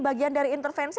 bagian dari intervensi